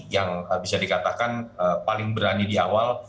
yang bisa dikatakan paling berani di awal